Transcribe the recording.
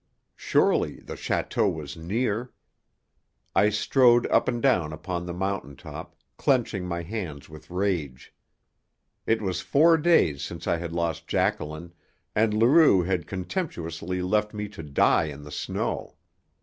Surely the château was near. I strode up and down upon the mountain top, clenching my hands with rage. It was four days since I had lost Jacqueline, and Leroux had contemptously left me to die in the snow.